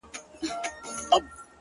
• هم روزي کورونه هم مېلمه دی په پاللی ,